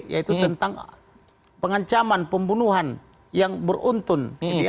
yaitu tentang pengancaman pembunuhan yang beruntun